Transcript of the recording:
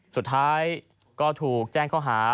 สุดท้ายก็ถูกแจ้งข้อหา